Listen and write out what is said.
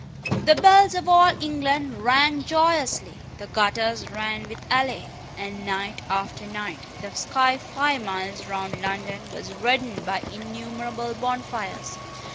The bells of all England rang joyously: the gutters ran with ale; and, night after night, the sky five miles round London was reddened by innumerable bonfires.